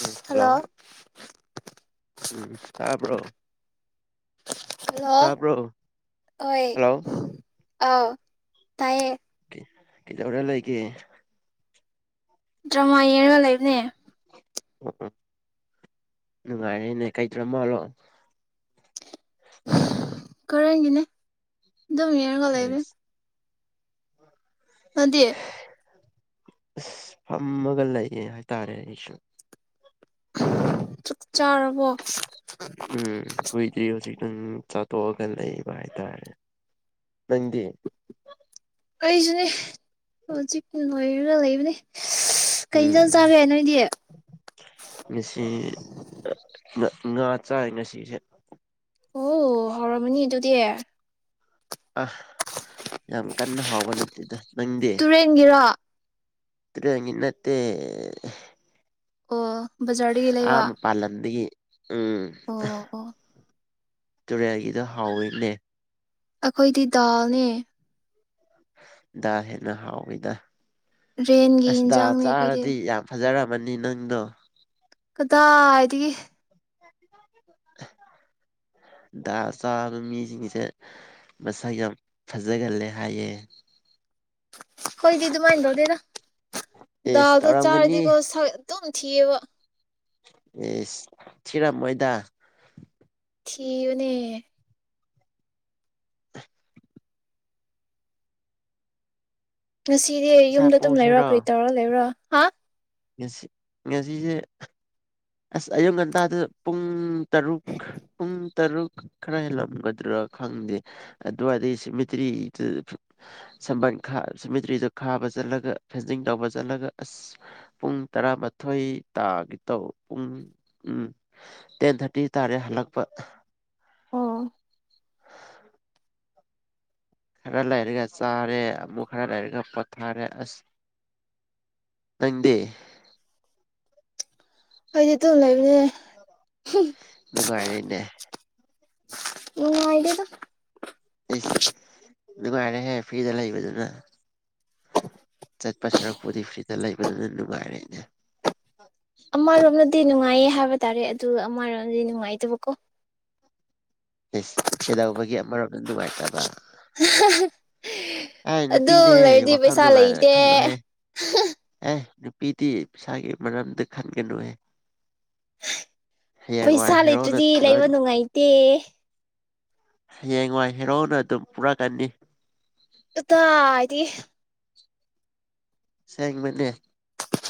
ꯎꯝ hello ꯎꯝ ꯇꯄ꯭ꯔꯣ hello ꯑꯣꯏꯣꯏ ꯍꯜꯂꯣ ꯑ ꯇꯥꯏꯌꯦꯦ ꯀꯧꯔ ꯂꯩ ꯀ ꯗ꯭ꯔꯃꯥ ꯌꯦꯡꯒ ꯂꯩꯕꯅꯦ [inaudible] ꯎ ꯎ ꯅꯨꯡꯉꯥꯏꯔꯦꯅꯦ ꯀꯩꯗꯔ ꯃꯥꯜꯂꯣ ꯀꯔꯒꯅꯦ ꯑꯗꯨꯝꯔꯒꯂ ꯂꯩꯕ ꯑꯦꯁ ꯑꯗꯦ ꯑꯁ ꯐꯝꯃꯒ ꯂꯩꯌꯦ ꯍꯥꯏꯇꯥꯔꯦ ꯑꯩꯁꯨ ꯆꯥꯛ ꯆꯥꯔꯕꯣ ꯑꯗꯨꯝ ꯆꯥꯊꯣꯛꯑꯒ ꯂꯩꯕ ꯍꯥꯏꯇꯥꯔꯦ ꯅꯪꯗꯤ ꯑꯩꯁꯨꯅꯤ ꯍꯧꯖꯤꯛ [unintelligible] ꯀꯣꯏ ꯂꯩꯕꯅꯦ ꯀꯩ ꯏꯟꯖꯥꯡ ꯎꯝ ꯆꯥꯒꯦ ꯅꯣꯏꯗꯤ ꯉꯁꯤ ꯉ ꯉꯥ ꯆꯥꯏ ꯉꯁꯤꯁꯦ ꯑꯣ ꯍꯥꯎꯔꯝꯃꯅꯤ ꯑꯗꯨꯗꯤ ꯑꯥ ꯌꯥꯝ ꯀꯟꯅ ꯍꯥꯎꯕ‌ ꯅꯠ ꯇꯦꯗ ꯇꯨꯔꯦꯟꯒꯤꯔꫭ ꯇꯨꯔꯦꯟꯒꯤ ꯅꯠꯇꯦ ꯑꯣ ꯕꯖꯥꯔꯗꯒꯤ ꯑꯥ ꯂꯩꯕ ꯃꯄꯥꯜ ꯂꯝꯗꯒꯤ ꯎꯝ ꯑꯣ ꯑꯣ ꯇꯨꯔꯦꯜꯒꯤꯗꫭ ꯍꯥꯎꯋꯤꯅꯦ ꯑꯩꯈꯣꯏꯗꯤ ꯗꯥꯜꯅꯦ ꯗꯥꯜ ꯍꯦꯟꯅ ꯍꯥꯎꯋꯤꯗ ꯔꯦꯟꯒꯤ ꯍꯤꯟꯖꯥꯡꯅꯤ ꯑꯩꯈꯣꯏꯗꯤ ꯃꯅꯤ ꯅꯪꯗꯣ ꯀꯗꯥꯏꯗꯒꯤ ꯑꯍ ꯗꯥꯜ ꯆꯥꯕ ꯃꯤꯁꯤꯡꯁꯦ ꯃꯁꯛ ꯌꯥꯝ ꯐꯖꯒꯜꯂꯦ ꯍꯥꯏꯌꯦ ꯈꫭꯏꯗꯤ ꯗꯨꯃꯥꯏꯅ ꯇꯧꯗꯦꯗ ꯑꯦꯁ ꯗꯥꯜꯗꫭ ꯇꯧꯔꯝꯒꯅꯤ ꯆꯥꯔꯗꯤꯀꫭ ꯁꯛ ꯑꯗꯨꯝ ꯊꯤꯌꯦꯕ ꯏꯁ ꯊꯤꯔꯝ ꯃꯣꯏꯗꯥ ꯊꯤꯕꯅꯦ ꯉꯁꯤꯗꯤ ꯏꯁꯥ ꯌꯨꯝꯗ ꯑꯗꯨꯝ ꯂꯩꯔꯣ ꯄꯨꯁꯤꯔꯣ ꯀꯔꯤ ꯇꯧꯔ ꯂꯩꯔꯣ ꯍꯥ ꯉꯁꯤ ꯉꯁꯤꯁꯦ ꯑꯁ ꯑꯌꯨꯛ ꯉꯟꯇꯥꯗ ꯄꯨꯡ ꯇꯔꯨꯛ ꯄꯨꯡ ꯇꯔꯨꯛ ꯈꯔ ꯍꯦꯜꯂꯝꯒꯗ꯭ꯔꯥ ꯈꯪꯗꯦ ꯑꯗꯨꯋꯥꯏꯗꯩ ꯁꯤꯃꯤꯇ꯭ꯔꯤꯗ ꯐꯨ ꯁꯝꯕꯟ ꯈꯥ ꯁꯤꯃꯤꯇ꯭ꯔꯤꯗ ꯈꯥꯕ ꯆꯠꯂꯒ ꯐꯦꯟꯁꯤꯡ ꯇꯧꯕ ꯆꯠꯂꯒ ꯑꯁ ꯄꯨꯡ ꯇꯔꯥꯃꯥꯊꯣꯏ ꯇꯥꯒꯤ ꯇꯧ ꯄꯨꯡ ꯎꯝ ꯇꯦꯟ ꯊꯥꯔꯇꯤ ꯇꯥꯔꯦ ꯍꯜꯂꯛꯄ ꯑꯣꯥ [inaudible] ꯈꯔ ꯂꯩꯔꯒ ꯆꯥꯔꯦ ꯑꯃꯨꯛ ꯈꯔ ꯂꯩꯔꯒ ꯄꯣꯊꯥꯔꯦ ꯑꯁ ꯅꯪꯗꯤ ꯑꯩꯗꯤ ꯇꯨꯝ ꯂꯩꯕꯅꯦ ꯅꯨꯡꯉꯥꯏꯔꯤꯅꯦ ꯅꯨꯡꯉꯥꯏꯗꯦꯗ ꯏꯁ ꯅꯨꯡꯉꯥꯏꯔꯦ ꯍꯦ ꯐ꯭ꯔꯤꯗ ꯂꯩꯕꯗꯨꯅ ꯆꯠꯄ ꯁꯔꯛꯄꯨꯗꯤ ꯐ꯭ꯔꯤꯗ ꯂꯩꯕꯗꯨꯅ ꯅꯨꯡꯉꯥꯏꯔꯦꯅꯦ ꯑꯃꯔꯣꯝꯗꯗꯤ ꯅꯨꯡꯉꯥꯏꯌꯦ ꯍꯥꯏꯕ ꯇꯥꯔꯦ ꯑꯗꯨ ꯑꯃꯔꯣꯝꯗꯤ ꯅꯨꯡꯉꯥꯏꯇꯕꯀꯣ ꯏꯁ ꯀꯩꯗꯧꯕꯒꯤ ꯑꯃꯔꯣꯝꯗ ꯅꯨꯡꯉꯥꯏꯇꯕ ꯑꯥꯏ ꯑꯗꯨ ꯅꯨꯄꯤꯅꯦ ꯍꯦ ꯂꯩꯔꯗꯤ ꯋꯥꯈꯜ ꯄꯩꯁꯥ ꯅꯨꯡꯉꯥꯏꯅ ꯂꯩꯇꯦ ꯈꯜꯂꯣꯍꯦ ꯑꯦ ꯄꯤꯗꯤ ꯄꯩꯁꯥꯒꯤ ꯃꯔꯝꯗ ꯈꯟꯒꯅꯨ ꯍꯦ ꯄꯩꯁꯥ ꯍꯦꯔꯣꯅ ꯂꯩꯇ꯭ꯔꯗꯤ ꯂꯣꯏ ꯂꯩꯕ ꯅꯨꯡꯉꯥꯏꯇꯦ ꯍꯌꯦꯡꯋꯥꯏ ꯍꯦꯔꯧꯅ ꯑꯗꯨꯝ ꯄꯨꯔꯛꯀꯅꯤ ꯑꯠꯇ ꯍꯥꯏꯗꯤ ꯁꯦꯡꯦꯡ ꯃꯅꯤꯅꯦ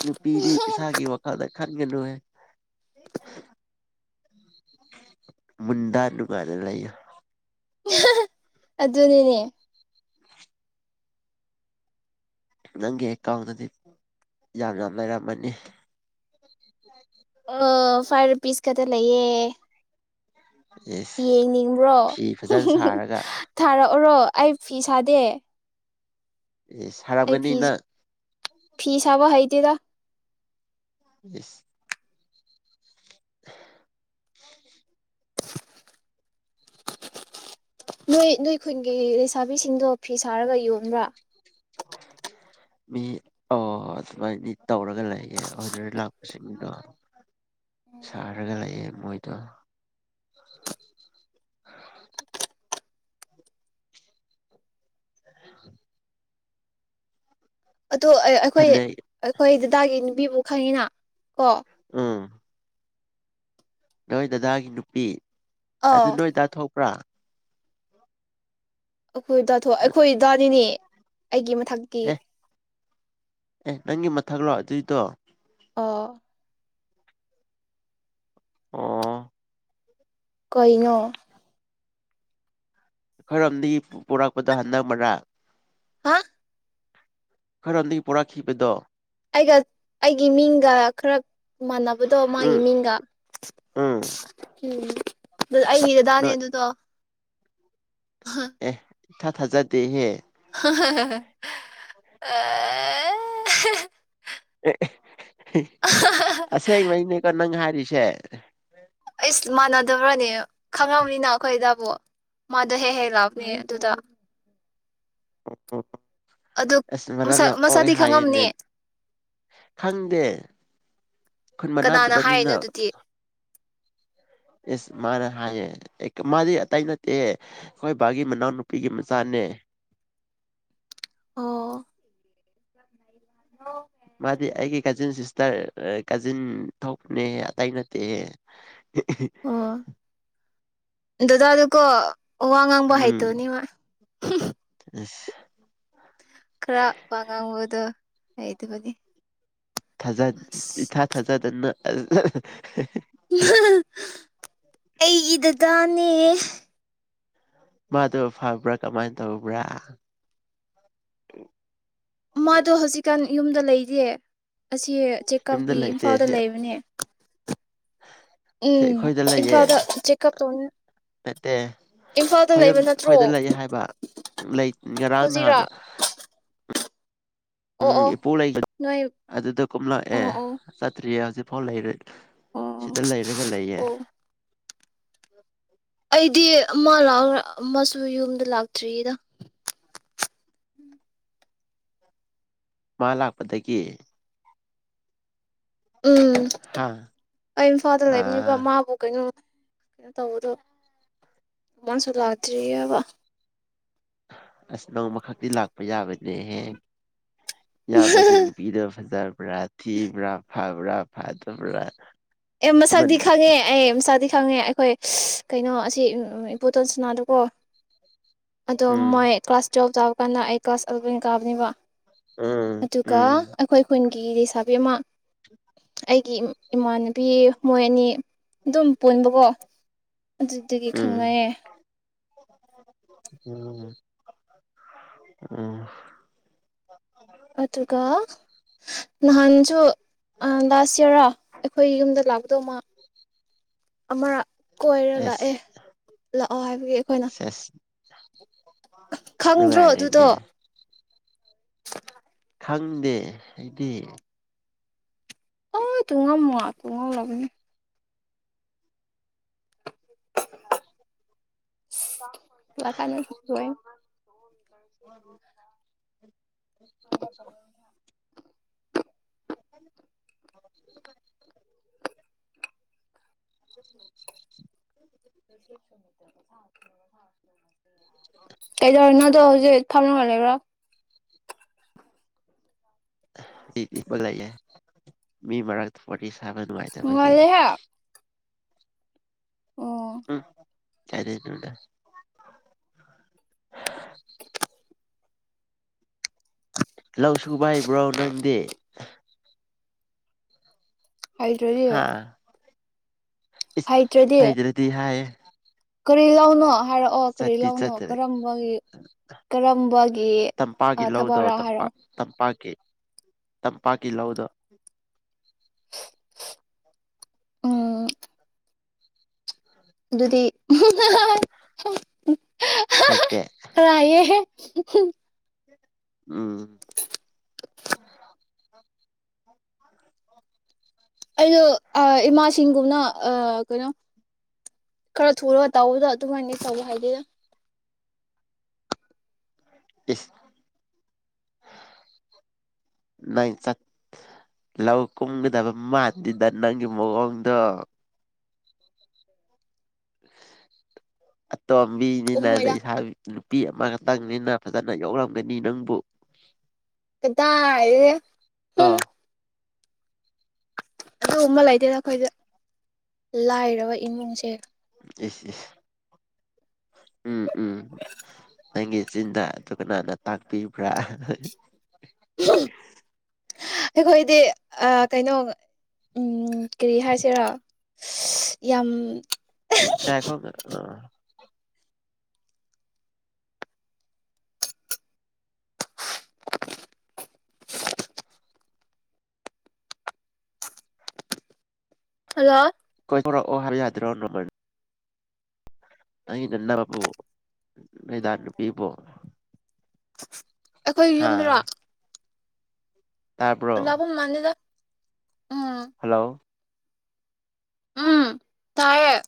ꯅꯨꯄꯤꯗꯤ ꯄꯁꯥꯒꯤ ꯋꯥꯈꯜꯗ ꯈꯟꯒꯅꯣ ꯃꯟꯗꯥ ꯅꯨꯨꯀꯥꯔ ꯂꯩ ꯑꯗꯨꯅꯤꯅꯦ ꯅꯪꯒꯤ ꯑꯦꯀꯥꯎꯟꯗꯗꯤ ꯌꯥꯝꯅ ꯂꯩꯔꯝꯃꯅꯤ ꯑ ꯐꯥꯏꯚ ꯔꯨꯄꯤꯁ ꯈꯛꯇ ꯂꯩꯌꯦ ꯌꯦꯁ ꯌꯦꯡꯅꯤꯡꯕ꯭ꯔꯣ ꯐꯤ ꯐꯖꯅ ꯁꯥꯔꯒ ꯊꯥꯔꯛꯑꯣꯔꯣ ꯑꯩ ꯐꯤ ꯁꯥꯗꯦ ꯑꯦ ꯁꯔꯝꯒꯅꯤꯅꯅꯥ ꯐꯤꯤꯁꯥꯕ ꯍꯥꯏꯩꯗꯤꯤꯗ ꯌꯦꯁ [unintelligible] ꯅꯣꯏ ꯅꯣꯏ ꯈꯨꯟꯒꯤ ꯂꯩꯁꯥꯕꯤꯁꯤꯡꯗꯣ ꯐꯤ ꯁꯥꯔꯒ ꯌꯣꯟꯕ꯭ꯔꯥ ꯃꯤ ꯑꯣ ꯑꯗꯨꯃꯥꯏꯗꯤ ꯇꯧꯔꯒ ꯂꯩꯌꯦꯦ ꯑꯣꯔꯗꯔ ꯂꯥꯛꯄꯁꯤꯡꯗꯣ ꯁꯥꯔꯒ ꯂꯩꯌꯦꯦ ꯃꯣꯏꯗꯣ [unintelligible] ꯑꯗꯣ ꯑꯩꯈꯣꯏ ꯐꯅꯦꯛ ꯑꯩꯈꯣꯏ ꯗꯗꯥꯒꯤ ꯕꯤꯕꯨ ꯈꯪꯉꯤꯅ ꯀꯣ ꯑꯥ ꯅꯣꯏ ꯗꯗꯥꯗꯥꯒꯤ ꯅꯨꯄꯤ ꯑꯗꯨ ꯑꯥ ꯅꯣꯏꯗꯥ ꯊꯣꯛꯄ꯭ꯔꯥ ꯑꯩꯈꯣꯏꯗꯥꯊꯣꯛ ꯑꯩꯈꯣꯏ ꯗꯥꯗꯤꯅꯦ ꯑꯩꯒꯤ ꯃꯊꯛꯇꯤ ꯑꯦ ꯑꯦ ꯅꯪꯒꯤ ꯃꯊꯛ ꯂꯥꯛ ꯑꯗꯨꯏꯗꯣ ꯑ ꯑ ꯀꯅꯣ ꯈꯔꯝꯗꯒꯤ ꯄꯣꯔꯛꯄꯗ ꯍꯟꯟꯅ ꯃꯔꯔꯥ ꯍꯥ ꯈꯔꯗꯒꯤ ꯄꯨꯔꯛꯈꯤꯕꯗꯣ ꯑꯩꯒ ꯑꯩꯒꯤ ꯃꯤꯡꯒ ꯈꯔ ꯃꯥꯟꯅꯕ ꯎꯗꯣ ꯎꯝ ꯃꯥꯒꯤ ꯃꯤꯡꯒ ꯎꯝ ꯎꯝ ꯑꯗꯨ ꯑꯩꯒꯤꯗꯗꯥꯅꯦ ꯑꯗꯨꯗꯣ ꯎ ꯏ ꯊꯥ ꯊꯥꯖꯗꯦꯍꯦ ꯑ [unintelligible] ꯑꯁꯦꯡ ꯃꯅꯦꯀꯣ ꯅꯪ ꯍꯥꯏ ꯇꯁꯦ ꯑꯩꯁ ꯃꯥꯟꯅꯗꯕ꯭ꯔꯅꯦ ꯈꯪꯉꯕꯅꯤꯅ ꯑꯩꯈꯣꯏꯗꯕꯨ ꯃꯥꯗꯣ ꯍꯦꯛ ꯍꯦꯛ ꯂꯥꯛꯕꯅꯤ ꯑꯗꯨꯗ ꯑꯣ ꯑꯗꯨ ꯑꯁ ꯃꯔꯝ ꯃꯁꯛ ꯌꯥꯝ ꯑꯣꯛꯑꯦ ꯃꯁꯛꯗꯤ ꯍꯥꯏꯌꯦ ꯅ ꯈꯪꯉꯝꯅꯤ ꯈꯪꯗꯦ ꯈꯨꯟ ꯀꯅꯥꯅ ꯍꯥꯏꯅꯣ ꯃꯅꯥꯗꯕꯅꯤꯅ ꯑꯗꯨꯗꯤ ꯑꯦꯁ ꯃꯥꯅ ꯍꯥꯏꯌꯦ ꯃꯥꯗꯤ ꯑꯇꯩ ꯅꯠꯇꯦ ꯑꯩꯈꯣꯏ ꯕꯥꯒꯤ ꯃꯅꯥꯎꯅꯨꯄꯤꯒꯤ ꯃꯆꯥꯅꯦ ꯑꯣ ꯑꯣ ꯃꯥꯗꯤ ꯑꯩꯒꯤꯦ ꯀꯖꯤꯟ ꯁꯤꯁꯇꯔ ꯀꯥꯖꯤꯟ ꯊꯣꯛꯅꯦ ꯑꯇꯩ ꯅꯠꯇꯦꯍꯦ ꯑꯣ ꯗꯗꯥ ꯑꯗꯨ ꯑꯣꯉꯪꯕ ꯍꯥꯏꯇꯣ ꯎꯝ ꯑꯁ ꯈꯔ ꯋꯥꯉꯥꯡꯕꯗꯣ ꯑꯩꯗꯨꯕꯗꯤ ꯊꯖꯥ ꯏ ꯊꯥ ꯊꯥꯖ ꯆꯟꯅ ꯑꯩ ꯏꯗꯗꯥꯅꯦ ꯃꯥꯗꯨ ꯐꯕ꯭ꯔꯥ ꯀꯃꯥꯏꯅ ꯇꯧꯕ꯭ꯔꯥ ꯃꯥꯗ ꯍꯧꯖꯤꯛꯀꯥꯟ ꯌꯨꯝꯗ ꯂꯩꯗꯤꯦ ꯑꯁꯤ ꯌꯨꯝꯗ ꯆꯦꯛꯀꯞꯀꯤ ꯂꯩꯇꯦ ꯏꯝꯐꯥꯜꯗ ꯁꯤ ꯂꯩꯕꯅꯦ ꯁꯤ ꯎꯝ ꯑꯩꯈꯣꯏꯗ ꯏꯐꯗ ꯆꯦꯀꯞ ꯇ ꯗꯦ ꯑꯩꯈ ꯌꯨꯝ ꯑꯩꯈꯣꯏꯗ ꯂꯩ ꯍꯥꯏꯕ ꯂꯩ ꯉꯔꯥꯡ ꯅꯍꯥꯟ ꯍꯧꯖꯤꯛꯔꯥ ꯑꯣ ꯎꯝ ꯑꯣ ꯏꯄꯨ ꯂꯩꯒꯅ ꯅꯣꯏ ꯑꯗꯨꯗ ꯀꯨꯝꯂꯛꯑꯦ ꯑꯣ ꯑꯣ ꯆꯠꯇ꯭ꯔꯤꯌꯦ ꯍꯧꯖꯤꯛ ꯐꯥꯎꯜ ꯂꯩꯔꯦ ꯑꯣ ꯁꯤꯗ ꯂꯩꯔꯒ ꯂꯩꯌꯦꯦ ꯑꯣ ꯎꯝ ꯑꯩꯗꯤ ꯃꯥ ꯂ ꯑꯃꯁꯨ ꯌꯨꯝꯗ ꯂꯥꯛꯇ꯭ꯔꯤꯗ ꯃꯥ ꯂꯥꯛꯄꯗꯒꯤ ꯎꯝ ꯍꯥ ꯑꯩ ꯏꯐꯥꯗ ꯂꯩꯃꯤꯕ ꯑꯥ ꯃꯥꯕꯨ ꯀꯩꯅꯣ ꯀꯩꯅꯣ ꯇꯧꯕꯗꯣ ꯃꯁꯨ ꯂꯥꯛꯇ꯭ꯔꯤꯑꯕ ꯅꯣꯡꯃ ꯈꯛꯇꯤ ꯂꯥꯛꯄ ꯌꯥꯕꯅꯦ ꯍꯦꯛ ꯏꯌꯥꯝꯕꯒꯤ ꯅꯨꯄꯤꯗ ꯐꯖ ꯔꯊꯕ꯭ꯔꯥ ꯐꯕ꯭ꯔꯥ ꯐꯗꯕ꯭ꯔꯥ ꯑꯦ ꯃꯟ ꯃꯁꯥꯗꯤ ꯈꯪꯉꯦ ꯑꯩ ꯃꯁꯥꯗꯤ ꯈꯪꯉꯦ ꯍꯣꯏ ꯀꯩꯅꯣ ꯑꯁꯤ ꯏꯄꯣꯇꯣꯟꯁꯅꯥꯗꯀꯣ ꯑꯗꯣ ꯎꯝ ꯃꯣꯏ ꯀ꯭ꯂꯥꯁ ꯇꯨꯌꯦꯜꯞ ꯇꯥꯕ ꯀꯥꯟꯗ ꯑꯩ ꯀ꯭ꯂꯥꯁ ꯑꯦꯂꯚꯦꯟ ꯀꯥꯕꯅꯤꯕ ꯎꯝ ꯑꯗꯨꯒ ꯎꯝ ꯑꯩꯈꯣꯏ ꯈꯨꯟꯒꯤ ꯆꯕꯤꯃ ꯑꯩꯒꯤ ꯏꯃꯥꯟꯅꯕꯤ ꯃꯣꯏ ꯑꯅꯤ ꯑꯗꯨꯝ ꯄꯣꯏꯣꯟꯕꯀꯣ ꯑꯗꯨꯗꯒꯤ ꯎꯝ ꯈꯪꯅꯩꯌꯦ ꯎꯝ ꯑꯗꯨꯒ ꯅꯍꯟꯖꯁꯨ ꯂꯥꯁ ꯌꯔ ꯑꯩꯈꯣꯏ ꯌꯨꯝꯗ ꯂꯥꯛꯀꯗꯧꯃ ꯑꯃꯔꯛ ꯀꯣꯏꯔ ꯑꯦꯁ ꯂꯥꯛꯑꯦ ꯂꯥꯛꯑꯣ ꯍꯥꯏꯕꯒꯤ ꯑꯩꯈꯣꯏꯅ ꯁꯦꯁ [inaudible] ꯈꯪꯗ꯭ꯔꯣ ꯑꯗꯨꯗꯣ ꯅꯨꯡꯉꯥꯏꯔꯦꯅꯦ ꯈꯪꯗꯦ ꯍꯥꯏꯗꯤ ꯑ ꯇꯨꯡꯉ ꯃꯉ ꯇꯨꯡꯉꯧ ꯂꯕꯅꯦ ꯑ ꯂꯀꯥꯅꯣꯏ ꯎ ꯎꯝ [unintelligible] [unintelligible] ꯁꯨꯗ꯭ꯔ ꯀ ꯁꯥ ꯑꯦꯙꯣꯔꯅ ꯇꯣ ꯍꯧꯖꯤ ꯐꯥꯎꯅꯦ ꯗꯤꯄꯒꯏꯦ ꯃꯤ ꯃꯔꯔꯒ ꯐꯁ ꯊꯥꯕ ꯅꯨꯡꯉꯥꯏꯇꯕꯒꯤ ꯉꯜꯂꯦꯍꯦ ꯎꯝ ꯀꯔꯤꯗ ꯂꯧ ꯁꯕ ꯍꯥꯏꯕ꯭ꯔꯣ ꯅꯪꯗꯤ ꯍꯥꯏꯗ꯭ꯔꯣꯔꯤ ꯍꯥꯏꯩꯗ꯭ꯔꯗꯤ ꯍꯥꯏꯌꯦ ꯀꯔꯤ ꯂꯥꯎꯅꯣ ꯍꯥꯏꯔꯛꯑꯣ ꯀꯔꯤ ꯆꯠꯇꯤ ꯂꯧꯅꯣ ꯆꯠꯇ꯭ꯔꯦ ꯀꯔꯝꯕꯒꯤ ꯀꯔꯝꯕꯒꯤ ꯇꯝꯄꯥꯛꯀꯤ ꯂꯧꯗꯣ ꯊꯕꯛꯔꯥ ꯇꯝꯄꯥꯛ ꯍꯥꯏꯔꯛꯑꯣ ꯇꯝꯄꯥꯛꯀꯤ ꯇꯝꯄꯥꯛꯀꯤ ꯂꯧꯗ ꯎꯝ ꯑꯗꯨꯗꯤ ꯍꯩꯇꯦ ꯔꯑꯌꯦ [unintelligible] ꯎꯝ ꯑꯩꯗꯣ ꯏꯃꯥꯁꯤꯡꯒꯨꯝꯅ ꯀꯩꯅꯣ ꯈꯔ ꯊꯂꯒ ꯇꯧꯕꯗ ꯑꯗꯨꯃꯥꯏꯅ ꯇꯧꯕ ꯍꯥꯏꯗꯦꯗ ꯏꯁ ꯅꯪ ꯂꯧ ꯀꯨꯝꯒꯗꯕ ꯃꯥꯥꯟꯜꯂꯤꯗ ꯅꯪꯒꯤ ꯃꯑꯣꯡꯗꯣ ꯇꯣꯝꯕꯤꯅꯤꯅꯗ ꯀꯨꯝꯃꯣꯏꯗ ꯏꯁꯥ ꯅꯨꯄꯤ ꯑꯃꯈꯛꯇ ꯅꯪꯅꯤꯅ ꯐꯖꯅ ꯌꯥꯎꯔꯝꯒꯅꯤ ꯅꯪꯕꯨ ꯀꯗꯥ ꯑꯥ ꯑ ꯑꯃ ꯂꯩꯇꯦ ꯑꯩꯈꯣꯏꯗ ꯂꯥꯏꯔꯕ ꯏꯃꯨꯡꯁꯦ ꯑꯦ ꯎꯝ ꯎꯝ ꯅꯪꯒꯤ ꯆꯤꯟꯖ ꯑꯗꯨ ꯀꯅꯥꯅ ꯇꯥꯛꯄꯤꯕ꯭ꯔꯥ ꯑꯩꯈꯣꯏꯗꯤ ꯀꯩꯅꯣ ꯀꯔꯤ ꯍꯥꯏꯁꯤꯔꯥ ꯌꯥꯝ ꯌꯥꯈꯣ ꯑ ꯁꯥ [inaudible] ꯍꯜꯂꯣ ꯣꯔꯛꯑꯣ ꯍꯥꯏꯕ ꯌꯥꯗ꯭ꯔꯣ ꯅꯃꯥꯏꯅ ꯑ ꯆꯗꯥ ꯄꯄꯨ ꯅꯗꯥ ꯄꯤꯕꯣ ꯁꯦꯠ ꯁꯠ [inaudible] ꯑꯩꯈꯣꯏ ꯌꯨꯝꯗꯔꯣ ꯇꯥꯕ꯭ꯔꯣ ꯂꯕꯝ ꯃꯅꯤꯗ ꯍꯜꯂꯣ ꯎꯝ ꯇꯥꯏꯦ